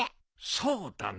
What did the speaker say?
そうだな。